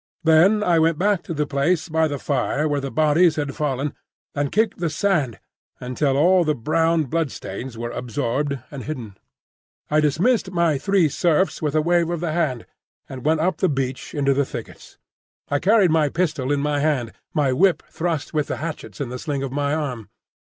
Then I went back to the place by the fire where the bodies had fallen and kicked the sand until all the brown blood stains were absorbed and hidden. I dismissed my three serfs with a wave of the hand, and went up the beach into the thickets. I carried my pistol in my hand, my whip thrust with the hatchets in the sling of my arm.